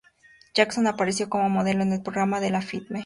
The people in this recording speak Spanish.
Jackson apareció como modelo en el programa de Lifetime, "Project Runway.